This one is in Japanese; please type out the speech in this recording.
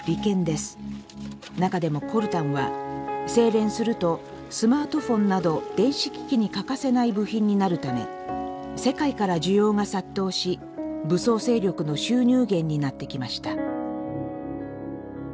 中でもコルタンは精錬するとスマートフォンなど電子機器に欠かせない部品になるため世界から需要が殺到し武装勢力の収入源になってきました。